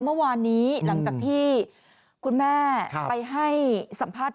เมื่อวานนี้หลังจากที่คุณแม่ไปให้สัมภาษณ์